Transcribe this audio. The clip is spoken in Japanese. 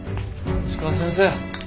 石川先生